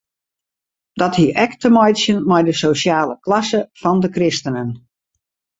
Dat hie ek te meitsjen mei de sosjale klasse fan de kristenen.